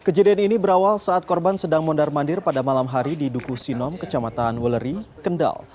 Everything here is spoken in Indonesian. kejadian ini berawal saat korban sedang mondar mandir pada malam hari di duku sinom kecamatan weleri kendal